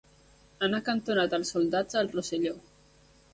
Han acantonat els soldats al Rosselló.